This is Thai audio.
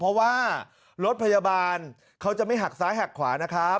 เพราะว่ารถพยาบาลเขาจะไม่หักซ้ายหักขวานะครับ